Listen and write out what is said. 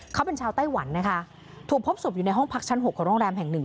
เขาเป็นชาวไต้หวันนะคะถูกพบศพอยู่ในห้องพักชั้นหกของโรงแรมแห่งหนึ่ง